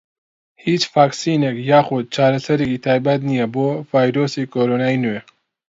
هیچ ڤاکسینێک یاخود چارەسەرێکی تایبەت نییە بۆ ڤایرۆسی کۆرۆنای نوێ.